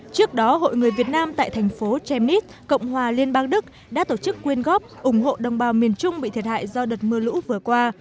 trước đó hội người việt nam tại thành phố chemit cộng hòa liên bang đức đã tổ chức quyên góp ủng hộ đồng bào miền trung bị thiệt hại do đợt mưa lũ vừa qua